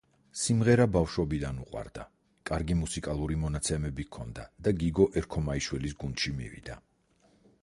სიმღერა ბავშვობიდან უყვარდა, კარგი მუსიკალური მონაცემები ჰქონდა და გიგო ერქომაიშვილის გუნდში მივიდა.